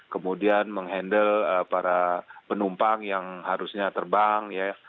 kemudian mengendal para penumpang yang harusnya terpaksa